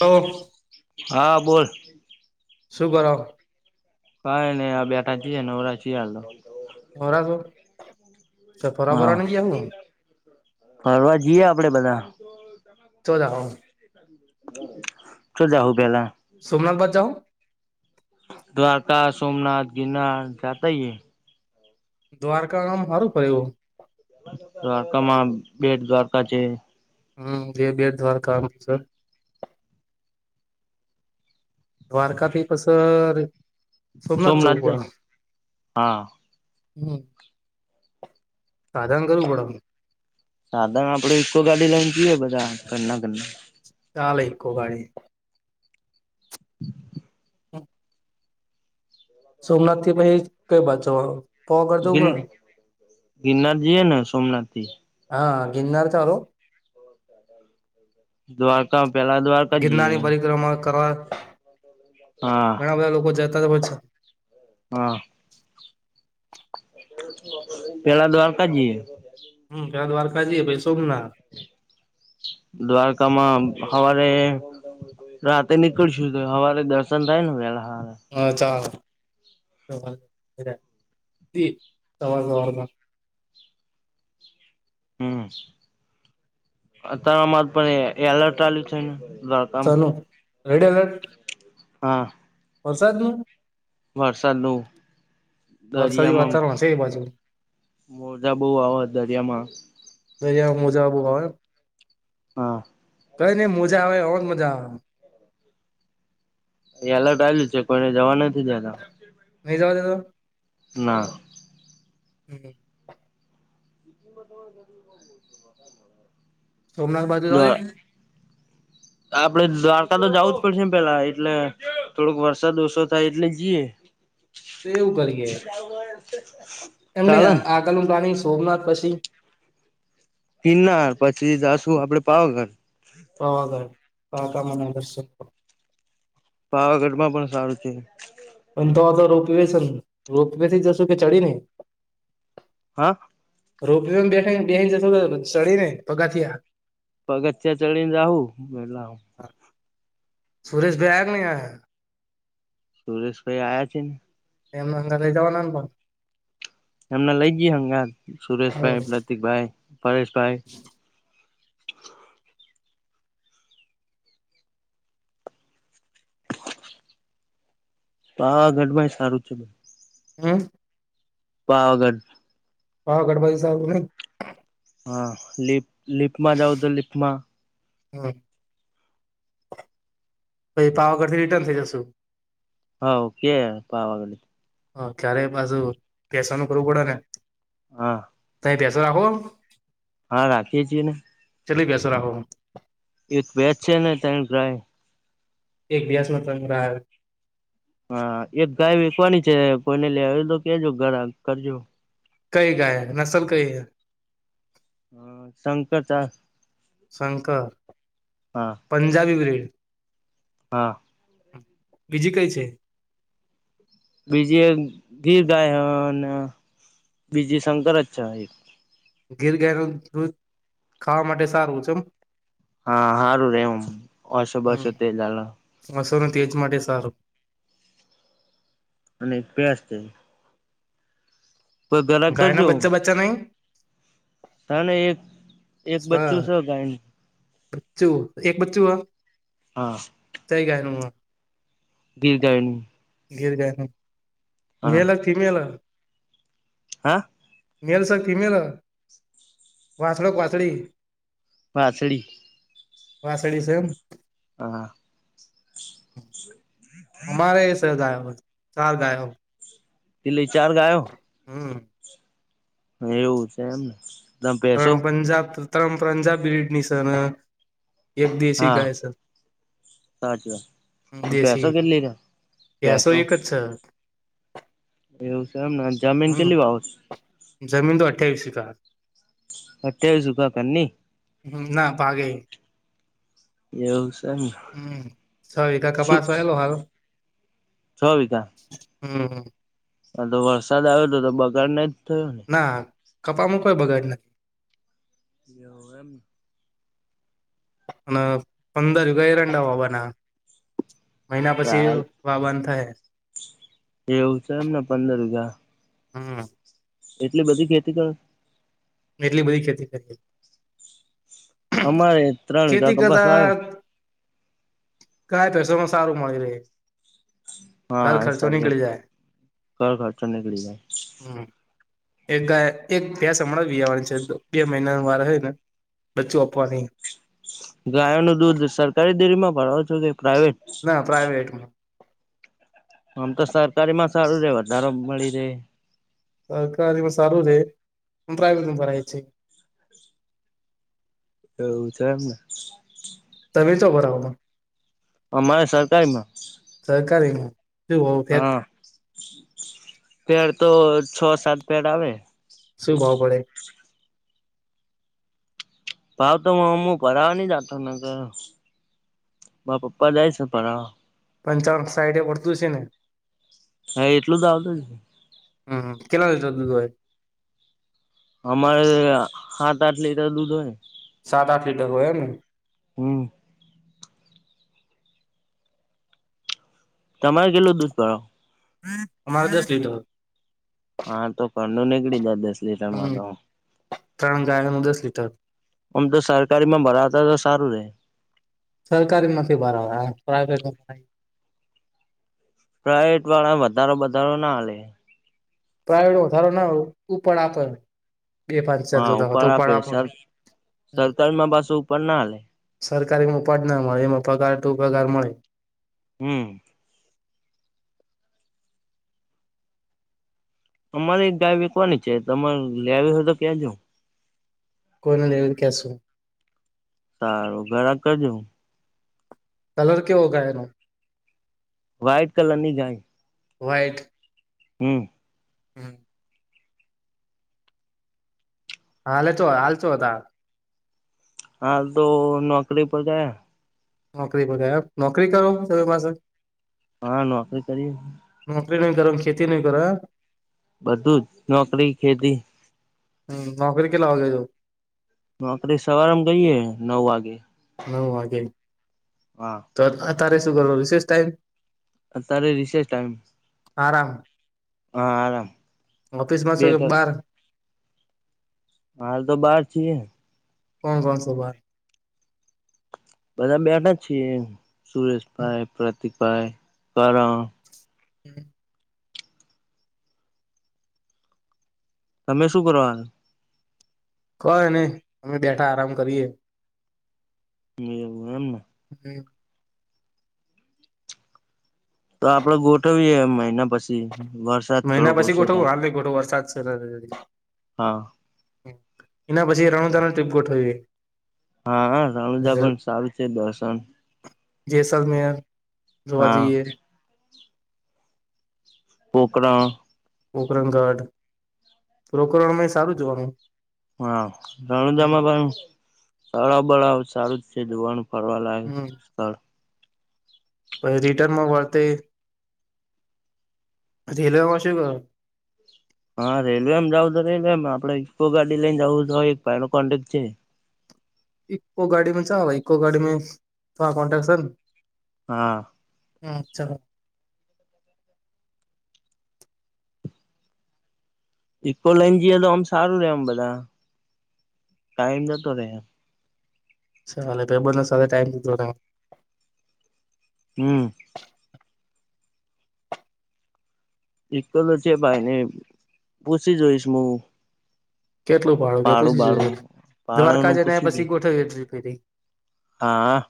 તો હા બોલ. શુભઆરંભ. કઈ નહી બેટા ચિએ નવરા છે હાલ. ખરા સ સ હા ફરાબરા ન કે આવું. ફરવા જઈએ આપડે બધા. ચોદ હ. કર. ચ જાહું પહેલા. સોમનાથ બાદ જાઓ. દ્વારકા સોમનાથ ગિરનાર જાતા હ. દ્વારકામાંમ સારું ફડ એવું. દ્વારકામાં બેટ દ્વારકા છે. હમ બે બી એડ દ્વારા કામ છે. દ્વારકા થી પસ સોમનાથ જવું પડે. હા. હમ સાધન કરવું પડેને. સાધન આપડે ઇકો ગાડી લઈને જઈએ બધા ઘના ઘરના. ચાલે એકકો ગાડી. હા. સોમનાથ થી પછી કઈ બાત. ગિર ગિરનાર જઈએ ને સોમનાથ થી. હા ગિરનાર ચાલું. [inaudible] દ્વારકા પહેલા. ગિરનારની પરિક્રમા કરવા હા ઘણા બધા લોકો જતા જ હોય છે. હા. પેલા દર ક જએ. હમ ક દ્વારકાજી ભાઈ સોમ ના. દ્વારકામાં સવારે. રાતે નીકળશુ તો હવારે દર્શન થાય ને પેલા હ. હા ચાલ તી તમારે હોતો. હમ અતારમાં પણ એલર્ટ આ્યું છે રાત્ર. સનું રેડ અલર્ટ. હા. વરસાદ ન વરસાદનું વરસાદી દરિયામાં વાતાવરણ છે એ બાજુ. મોજા બહુ આવે દરિયામાં. દરિયા મોજા બહુ આવે. હા. કઈ નઈં મજા આવે જ મજા આવે. એ અલર્ટ આવ્યું છે કોઈને જવા નથી દેતા. નહી જવા દેતા. ના. હોવે. તમા જ [unintelligible] સોમનાથ બાજુ જવા દેને. [inaudible] આપડે દ્વારકા તો જવું જ પડશે ને પેલા એટલે થોડોક વરસાદ ઓછો થાય એટલે જઈએ. તો એવું કરીએ. કોણ [unintelligible] એમને આગળનું પ્લાનિંગ સોમનાથ પછી. પિનાર પછી દસું આપડે પાવાગઢ. પવાગઢ કા કામના દર્શક. પાવાગઢ માં પણ સારું છે. પણ તો આ તો રોપવે છે. રોપવે થી જશું કે ચડી ને? હા! રોપ બેઠ બે ઇંચ થો, ચડી ને પગાથયા? પગત્યા ચળને જાઉું. સુરેશ બેગ નહી આ? સુરેશ ભાઈ આવ્યા છે ને. એમના અંદર લઈ જવા ના પણ. એમને લઈ ગયા. હંગાર સુરેશભાઈ, પ્રતિક ભાઈ, પરેશભાઈ. પાવાગઢ માંય સારું છે. હમ! પાવાગઢ. પાવાગઢ સારું ને? હા! લિપ લિફ્ટ જઉ તો લિપમાં. હમ પ પાવાગઢથી રિટર્ન થઈ જશુ. હા ઓકે પવાગળ. હ ચારેય બાજુ પેસન ઉપરવું પડે ને. હા! ત પેસર રાખો. હા રાખીએ છીએ ને. ચલી ભેસો રાખો? એક ભેસ છે ને ત્રણ ગ્રાય. [unintelligible] હા એક ગાય વેકવાની છે. કોઈને લે આવ તો કેજો ઘ કરજો. કઈ ગાયક નસલ કઈ હૈ? હ શંકર. શંકર. હા પંજાબી બ્રીડ. હા! બીજી કઈ છે? બીજી, એક ગીર ગાય અને, બીજી શંકરચ છે. ગીર ગાય નું દૂધ ખાવા માટે સારું છે એમ. હા! સારું રેવમ ઓસો બસો તે જાલ. મસ ન તેજ માટે સારું. અને બેસ્ટ છે. કો ગેરાક ગાય કરજો. [unintelligible] તાને એક એક બચ્ચું છે ગાયને. બચ્ચું. એક બચ્ચું હ. હા! કંઈ ગાયનો? ગિર જાય ન. ગિર ગાયનો. હા મેળે ફિમલ? હા? Malleus female? વાાસડ વાાસડી? વાછડી. વાસાડી છે એમ? હા! અમારે એ છે ગાય. ચાર ગાય. કીટલી ચાર ગાયો? હમ! એવું છે એમને તમે પેસો ત્રણ પંજાબ ત્રણ પંજાબ બિડની સર એક દેશી હા ગાય સર સાચી વાત પેસો દસી કેટલી રે પસો પેસો એક જ છ એવું છે એમ ને જમીન હમ કેલી વા આવશે જમીન તો અઠ્ઠ્યાવીસ ક અઠ્યાવી સુગ પની હ ના પાાગે ન્યુંઝ હમ સવધા કપાસ વાયલો હાલ છ બીજા હમ હ તો વરસાદ આવ્યો હતો તો બગાડ ના જ થયો ને ના કપામાં કોઈ બગાડ નથી એવ એમ અને પંદરગ એરંડા હોવાના મહિના પછી વાબંધ થાયૈ એવું છે એમને પંદર રા હા એટલી બધી ખેતી કરો એટલી બધી ખેતી કરી અમારે ત્રણ ખેતી વિકા કરતા કપાસવા આવ કયા પેસોમાં સારું મળી રહે ઘર ખર્ચો હા નીકળી જાય ઘર ખર્ચો નીકળી જાય હમ એક ગ એક બે્યાસ હણાં વીવાની છે બે મહિનાનું વારે હોય ને બચ્ચું આપવાની ગાયો નું દૂધ સરકારી દેરીમાં ભરાવો છો કે પ્રાઇવેટ હ પ્રાયટ આમ તો સરકારી માં સારું રે વધારો મળી રહે સરકારીમાં સારું છે પણ પ્રાઇવેટ ભરે છે. એવું છે એમને. તમે તોો ભરા આવ અમારે સરકારીમાં સરહકારી ન શું હોે હા પેડ તો છ સાત પેડ આવે શું ભાવ પડે? ભાવ તો હમું ભરાવા ન જાતો નગર મા પપ્પા જાય છે ભરાવા. પંચાવન સાઈડ પડતું છે ને. હા એટલું જ આવતું. હમ્મ કેટલા લીધા તું એ. અમારે હાટ આઠ લીધા ઓ હે. સાત આઠ લીટર હોય ને. હમ્મ. તમારે કેટલુ દૂધ ભરો? હમ્મ અમાંરે દસ લિટર. હા તો ખંડું નીકળી જ દસ લીટર માં હમ તો. ત્રણ ગાયનું દસ લીટર. આમ તો સરકારી માં ભરાવતા તો સારું રે. સરકારી નથી ભરાવા પ્રાાઈવેટમાં પ્રઇવેટ વાળા વધારો વધારો ના લે. પ્રાયડો વધારો ના હો પણ આપે બે પાંચ ચાર હજાર હા જોતા હો તો ઉપર પણ આપે. સર સરકારીમાં પાછું ઉપર ના હાલે સરકારી માં પાંચ ના મળે એમાં પગાર તુ પગાર મળે. હમ્મ. અમારી ગાય વેચવાની છે તમે લે આવી હોય તો કેજો. કોઈને લેવીને ક શું? સારું ઘરાક કેજો. કલર કેવો એ. વ્હાઈટ કલર ની ગાય. વ્હાઈટ. હમ્મ. હમ્મ. હાલે તો હાલચો હતા. હાલ તો નોકરી પર ગયા. નોકરી પર નોકરી કરો તમે પાસે. હા નોકરી કરી. નોકરી નઈ કર ખેતી ન કારો એમ. બધું જ નોકરી, ખેતી. હમ્મ નોકરી કેટલા વાગે જાવ. નોકરી સવારેમ ગઈએ નવ વાગે. નવ વાગે. હા. તો અતારે શું કરો રીસેસ છે. ત્યારે રીસેસ ટાઈમ. આરામ હા આરામ ઓફિસમાં છે બે કે કલાક. બાર. હાલ તો બહાર છીએ. કોણ કોણ સભ બધા બેટા છીએ સુરેશભાઈ, પ્રતીકભાઈ, કરણ. [unintelligible] તમે શું કરવાનું કઈ નહી અમે બેઠા આરામ કરીએ હમ્મ અમના હ. તો આપડે ગોઠવીએ મહિના પછી. વરસાદ મહિના થોડોક પછી ઓછો ગોઠવ થાય હાલ ગોઠવો વરસાદ છે. હા. એના પછી રણુજા ટ્રીપ ગોઠવીએ હા હા રાણુજા પણ સારું છે દર્શન જેસલમેર જોવા હા જઈએ પોકરણ પોોકરગઢ પોકરણમાં એ સારું જોવાનું હા રણોજામાં પણ તળાવ બળાવ સારું જ છે જોવાનુ ફરવા લાયક હમ સ્થળ પછી રિટર્નમાં વળતે રેલવે માં શું કરો? હા રેલવેમ જાવું તો રેલવેમ આપડ ઇકો ગાડી લઈને જવું તો એક ભાઈ નો કોન્ટેક્ટ છે. ઇકો ગાડીમાં છેવે ઇકો ગાડીમાં તા કન્ટ્રક્ટસે હા હા ચાલો ઇકો લઈન જએ તો આમ સારું રે એમ બધા ટાઈમ જતો રે એમ ચાલે ભાઈબંધ ને સાથે ટાઈમથી થોડા હમ એકલો છે ભાઈ ને પૂછી જોઈશ હું કેટલું ફાળું કે ભાડું ભાડું પૂછી ભાડા દ્વારકા નું જ પૂછી દે પછી ગોઠવી ટ્રીપ ની હા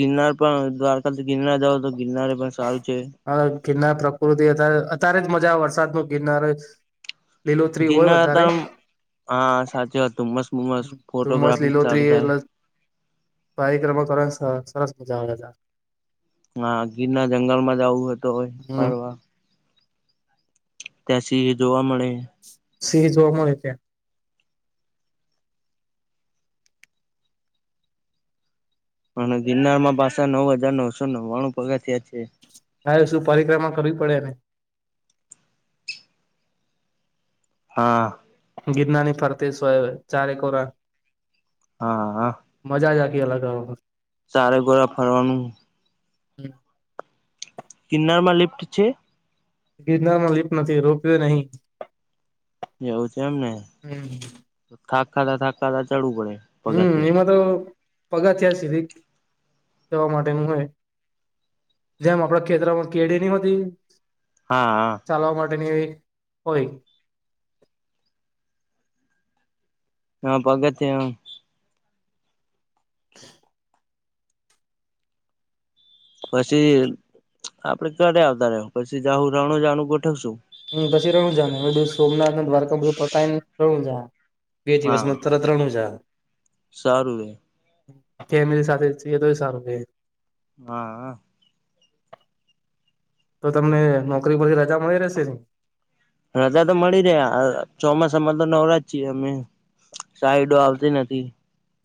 ગિરનાર પણ દ્વારકાથી ગિરનાર જાવ તો ગિરનાર પણ સારું છે. હ ગિરનાર પ્રકૃતિ અત્યારે અત્યારે જ મજા વરસાદ ન ગિરનાર લીલોતરી હોય ગીરનાર વધારે હતા હા સાચી વાત મસ્ત મસ્ત ધુમ્મસ ફોટોગ્રાફી લીલોત્રી સારું થાય એટલે પારિક્રમ કરવાની સરસ મજા આવે તા હા ગીર ના જંગલ માં જવું હતો હોય હમ ફરવા ત્યાં સિંહ એ જોવા મળે સિહ જોવા મળે ત્યાં અને ગિરનારમાં પાસા નવ હજાર નવસો નવ્વાણું પગથયા છે. હા શું પરિક્રમા કરવી પડેને હા ગિરનાની ફરતી સ હો ચારેકોરા. હા મજા જ આખી અલગ હ ચારે ગોળા ફરવાનું ગિરનાર માં લિફ્ટ છે? ગિરનાર માં લીપ નથી રોપ વે નહી. જવું છે એમને નહીં થાકાતા થાકાતા ચડવું પડે હમ પગથિયા એમાં તો પગથયા સુધી જવા માટેનું હોય જેમ આપણા ખેતરામાં કેડી ની હોતી હા હા ચાલવા માટેની એક હોય હા પગથયા [unintelligible] પછી આપડે ઘરે આવતા રહ્યો પછી જાહુ રણુજા નું ગોઠવશું હમ્મ પછી [unintelligible] જા ને બધું સોમનાથ ના દ્વારકા બધું પતાયને રનુજા બે હા દિવસમાં તરા ત્રણ હજાર સારું રે કેમિલી સાથે છેએ તોય સારું છે હા તો તમને નોકરી પરથી રજા મળી રહેશે ને? રજા તો મળી રે ચોમાસામાં તો નવરાજ છીએ અમે. સાઈડો આવતી નથી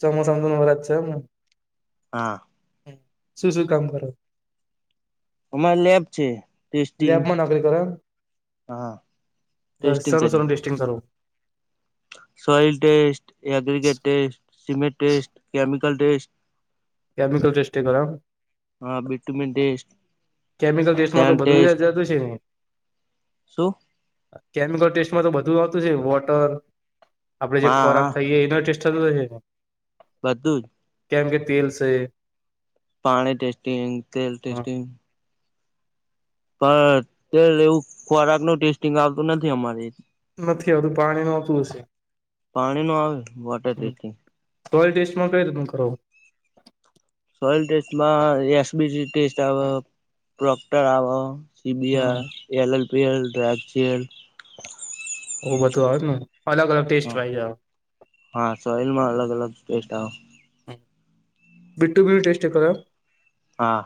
ચોમાસામાં નવરાજ છે એમને હા શું શું કામ કરો? અમારી લેબ છે ટેસ્ટિંગ લેબમાં હા બસ ટેસ્ટિંગ સરારું સરું ટેસ્ટિંગ કરારું soil test aggregate test cement test chemical test chemical ચટેસ્ટે કર હા બટુ મે ડટેસ્ટ કેમિકલ ટેસ્ટમાં તો બધું જતું છે ને શું કેમિકલ ટેસ્ટમાં તો બધું આવતું છે વોટર આપડે જે હા ખોરાક હા થઈ એના ટેસ્ટ [unintelligible] બધું જ કેમ કે તેલ છે પાણી ટટેસ્ટિંગ તલ ટેસ્ટિંગ પણ તે એવું ખોરાક નુ ટેસ્ટિંગ આવતું નથી અમારે નથી આવધું પાણી નતું હશે પાણી નું આવે વોટર ટેસ્ટિંગ રોયલ ટેસ્ટમાં કઈ રીતનું કરવું સોલ ટેસ્ટમાં એસબીસી ટેસ્ટ આવે પ્રોક્ટર આવે સીબિયા હમ એલ [unintelligible] ઓવ બધું આવે ને અલગ અલગ ટેસ્ટ જ હા સોઈલ માં અલગ અલગ ટેસ્ટ આવ બીટું બી ટેસ્ટી કા હા